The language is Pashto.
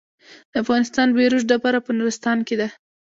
د افغانستان بیروج ډبره په نورستان کې ده